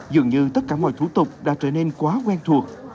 dường như tất cả mọi thủ tục đã trở nên quá quen thuộc